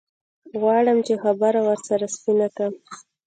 غواړم چې خبره ورسره سپينه کم.